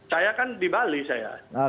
saya kan di bali saya